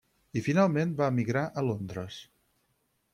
I finalment van emigrar a Londres.